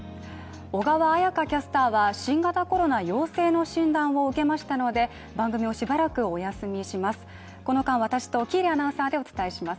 小川彩佳キャスターは新型コロナ陽性の診断を受けましたので番組をしばらくお休みします。